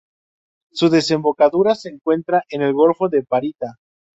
Su desembocadura se encuentra en el golfo de Parita.